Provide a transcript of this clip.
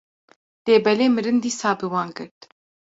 lêbelê mirin dîsa bi wan girt.